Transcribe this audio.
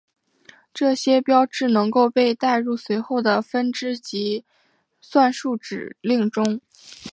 这些标志能够被带入随后的分支及算术指令中。